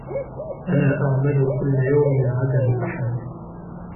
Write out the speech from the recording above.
أنا أعمل كل يوم عدا الأحد.